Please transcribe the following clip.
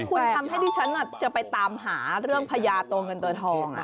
คุณทำให้ชั้นจะไปตามหาเรื่องพญาโตเงินโตทอง